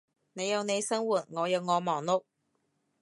你有你生活，我有我忙碌